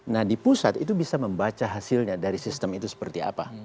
nah di pusat itu bisa membaca hasilnya dari sistem itu seperti apa